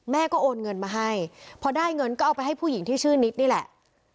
แม่ก็โอนเงินมาให้พอได้เงินก็เอาไปให้ผู้หญิงที่ชื่อนิดนี่แหละ